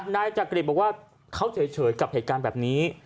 นายจักริตบอกว่าเขาเฉยกับเหตุการณ์แบบนี้